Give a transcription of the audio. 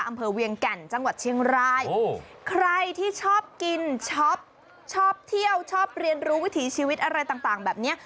อำเภอเวียงแก่นจังหวัดเชียงรายใครที่ชอบกินช็อปชอบเที่ยวชอบเรียนรู้วิถีชีวิตอะไรต่างแบบนี้